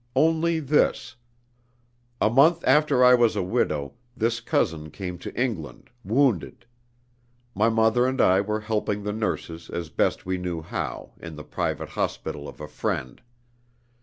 Only this: a month after I was a widow, this cousin came to England, wounded. My mother and I were helping the nurses as best we knew how, in the private hospital of a friend.